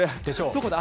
どこだ？